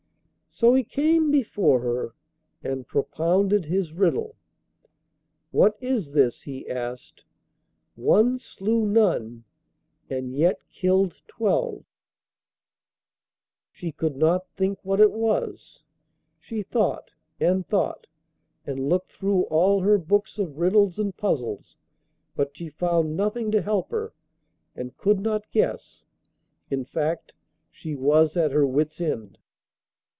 So he came before her and propounded his riddle. 'What is this?' he asked. 'One slew none and yet killed twelve.' She could not think what it was! She thought, and thought, and looked through all her books of riddles and puzzles, but she found nothing to help her, and could not guess; in fact, she was at her wits' end.